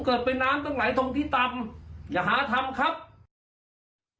เกิดเป็นน้ำต้องไหลทองที่ต่ำ